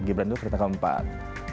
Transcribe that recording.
gibran itu kereta keempat